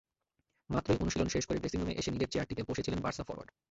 মাত্রই অনুশীলন শেষ করে ড্রেসিংরুমে এসে নিজের চেয়ারটিতে বসেছিলেন বার্সা ফরোয়ার্ড।